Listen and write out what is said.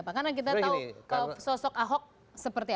karena kita tahu sosok ahok seperti apa